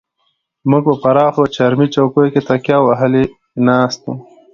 موږ په پراخو چرمي چوکیو کې تکیه وهلې ناست وو.